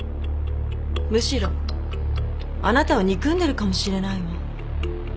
むしろあなたを憎んでるかもしれないわ。